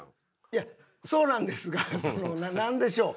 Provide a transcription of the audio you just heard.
いやそうなんですがそのなんでしょう？